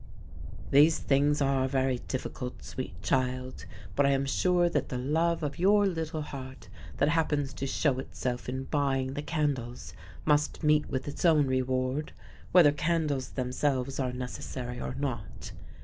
"These things are very difficult, sweet child, but I am sure that the love of your little heart that happens to show itself in buying the candles must meet with its own reward, whether candles themselves are necessary or not.